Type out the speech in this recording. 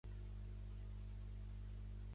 A Senyús, matapolls.